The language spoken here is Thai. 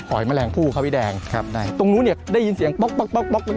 หอยแมลงผู้ครับพี่แดงตรงนู้นได้ยินเสียงป๊อก